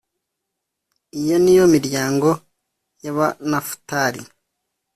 iyo ni yo miryango y abanafutali